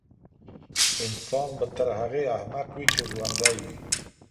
انسان به تر هغې احمق وي چي ژوندی وي.